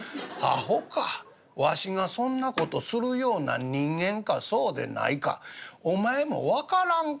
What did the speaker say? わしがそんな事するような人間かそうでないかお前も分からんか？